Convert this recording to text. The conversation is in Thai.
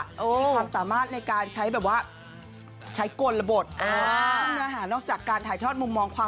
ที่ความสามารถในการใช้แบบว่าใช้กลระบดต้องเมื่อหานอกจากการถ่ายทอดมุมมองความรัก